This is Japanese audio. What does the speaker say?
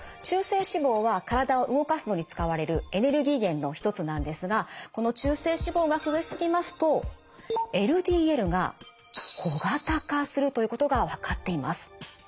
中性脂肪は体を動かすのに使われるエネルギー源の一つなんですがこの中性脂肪が増えすぎますとＬＤＬが小型化するということが分かっています。